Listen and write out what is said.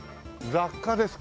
雑貨ですか。